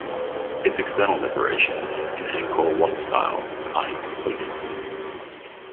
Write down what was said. Its external decorations, in Angkor Wat style, are incomplete.